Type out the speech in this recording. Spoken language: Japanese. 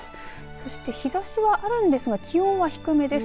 そして日ざしはあるんですが気温は低めです。